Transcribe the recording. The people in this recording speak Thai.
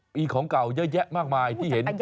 มีของเก่าเยอะแยะมากมายที่เห็น